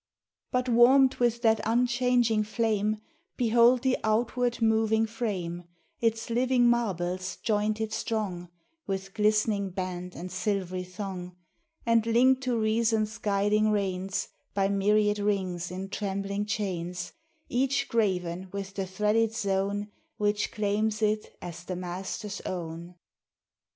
But warmed with that unchanging flame Behold the outward moving frame, Its living marbles jointed strong With glistening band and silvery thong, And linked to reason's guiding reins By myriad rings in trembling chains, Each graven with the threaded zone Which claims it as the Master's own.